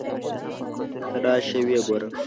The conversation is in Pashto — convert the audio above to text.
ته راشه ویې ګوره.